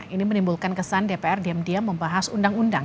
ini menimbulkan kesan dpr diam diam membahas undang undang